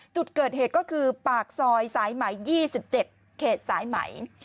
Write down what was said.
จุดเกิดเหตุก็คือปากซอยสายไหม๒๗เขตสายไหม